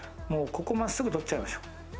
ここをまっすぐとっちゃいましょう。